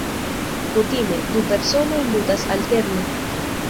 Kutime, du personoj ludas alterne.